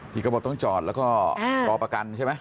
เขาบอกต้องจอดแล้วก็รอประกันใช่ไหม